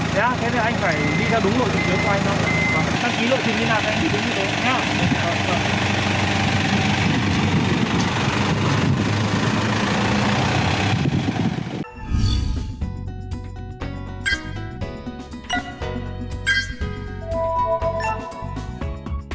dạ thế thì anh phải đi theo đúng lộn trình tuyến của anh nhé và đăng ký lộn trình như thế nào thì anh chỉ đứng như thế nhé